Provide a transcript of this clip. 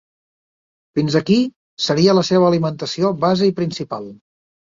Fins aquí seria la seva alimentació base i principal.